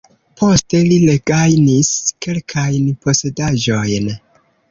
Poste li regajnis kelkajn posedaĵojn.